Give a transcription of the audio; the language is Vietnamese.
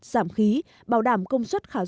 giảm khí bảo đảm công suất khả năng